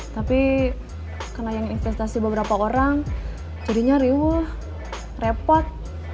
tapi karena yang investasi beberapa orang jadinya riuh repot